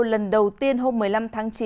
lần đầu tiên hôm một mươi năm tháng chín